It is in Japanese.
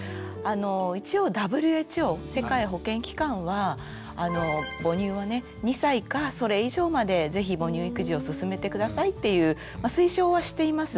一応ＷＨＯ世界保健機関は母乳はね２歳かそれ以上まで是非母乳育児をすすめて下さいっていう推奨はしています。